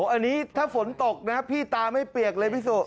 อันนี้ถ้าฝนตกนะพี่ตาไม่เปียกเลยพี่สุ